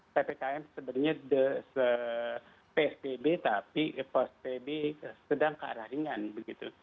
ppkm sebenarnya psbb tapi psbb sedang ke arah ringan begitu